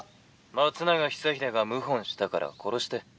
「松永久秀が謀反したから殺して」。